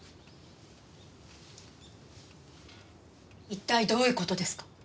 一体どういう事ですか？